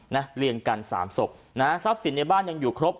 เรียนกันสามศพนะฮะทรัพย์สินในบ้านยังอยู่ครบ